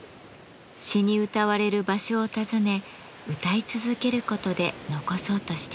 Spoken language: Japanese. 詞にうたわれる場所を訪ね歌い続けることで残そうとしています。